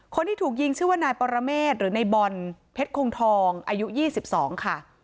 คนที่ถูกยิงชื่อว่านายปรเมฆหรือในบอลเพชรคงทองอายุ๒๒ค่ะ